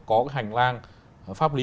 có cái hành lang pháp lý